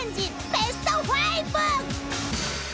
ベスト５］